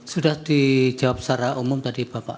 sudah dijawab secara umum tadi bapak